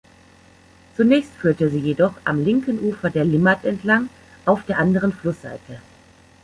Zunächst führte sie jedoch am linken Ufer der Limmat entlang, auf der anderen Flussseite.